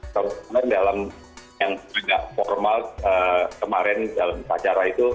kalau sebenarnya dalam yang agak formal kemarin dalam acara itu